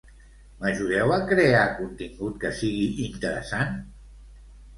M'ajudeu a crear contingut que sigui interessant?